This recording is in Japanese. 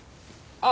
あっ。